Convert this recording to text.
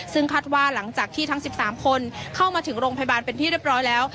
ซึ่งคาดว่าหลังจากที่ทั้ง๑๓คนเข้ามาถึงโรงพยาบาลเป็นที่เรียบร้อยแล้ว